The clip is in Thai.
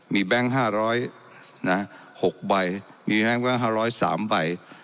มีแบงค์ห้าร้อยนะฮะหกใบมีแบงค์ห้าร้อยสามใบ